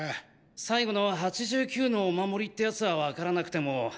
最後の８９のお守りってヤツはわからなくても。